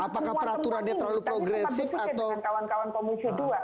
apakah peraturannya terlalu progresif atau